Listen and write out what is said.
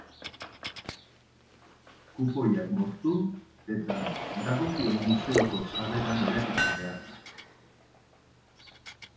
Kupoiak moztu eta dagokion museoko sarreran erakutsi behar da.